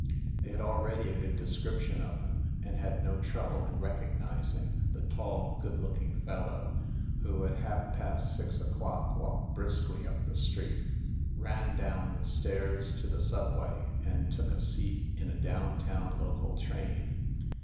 They had already a good description of him, and had no trouble in recognizing the tall good look ing fellow who at half past six o'clock walked briskly up the street, ran down the stairs to the subway, and took a seat in a down town local train.